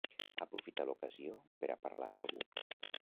Aprofitar l'ocasió per a parlar amb algú.